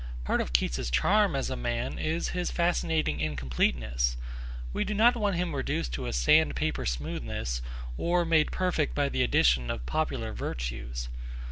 Part of Keats's charm as a man is his fascinating incompleteness. We do not want him reduced to a sand paper smoothness or made perfect by the addition of popular virtues.